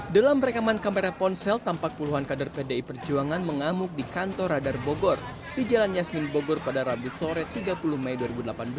dalam rekaman kamera ponsel tampak puluhan kader pdi perjuangan mengamuk di kantor radar bogor di jalan yasmin bogor pada rabu sore tiga puluh mei dua ribu delapan belas